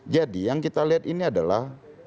jadi yang kita lihat ini adalah